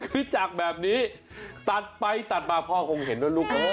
คือจากแบบนี้ตัดไปตัดมาพ่อคงเห็นว่าลูกเออ